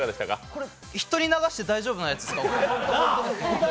これ人に流して大丈夫なやつですか？